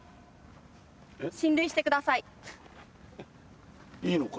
進塁してください。